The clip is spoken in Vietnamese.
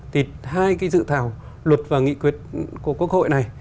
thì hai cái dự thảo luật và nghị quyết của quốc hội này